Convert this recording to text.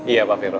iya pak fero